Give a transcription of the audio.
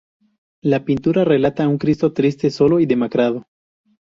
La pintura relata a un Cristo, triste, solo y demacrado.